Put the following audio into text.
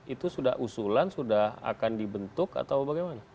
itu sudah usulan sudah akan dibentuk atau bagaimana